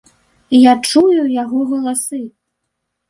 Я чую яго галасы.